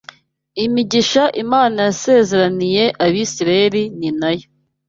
Imigisha Imana yasezeraniye Abisirayeli ni na yo isezeranirwa